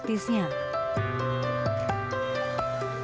untuk mengasah keterampilan praktisnya